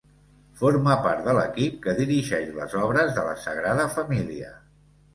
Forma part de l'equip que dirigeix les obres de la Sagrada Família.